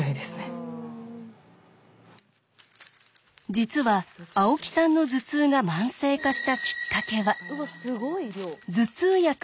実は青木さんの頭痛が慢性化したきっかけは何で！？